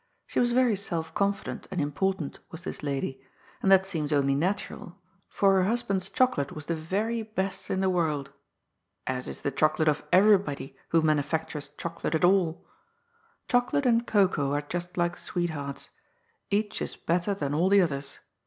She was very self •confident and important, was this lady, and that seems only natnral, for her hnsband's chocolate was the very best in the world, as is the chocolate of everybody who mannfactnres chocolate at alL Chocolate and cocoa are jnst like sweethearts. Each is better than all the others.